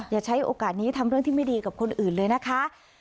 อย่าใช้โอกาสนี้ทำเรื่องที่ไม่ดีกับคนอื่นเลยนะคะ